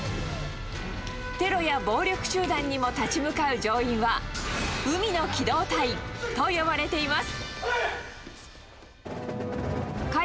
テロや暴力集団にも立ち向かう乗員は、海の機動隊と呼ばれています。